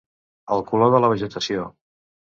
El color de la vegetació.